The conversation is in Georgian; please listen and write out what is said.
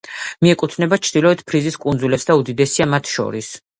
მიეკუთვნება ჩრდილოეთ ფრიზის კუნძულებს და უდიდესია მათ შორის.